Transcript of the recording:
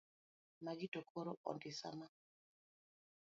Magi to koro ondisama.